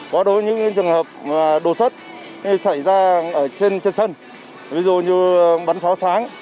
có đối với những trường hợp đổ xuất xảy ra ở trên sân ví dụ như bắn pháo sáng